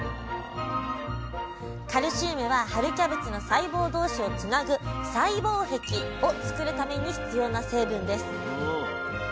カルシウムは春キャベツの細胞同士をつなぐ「細胞壁」を作るために必要な成分です。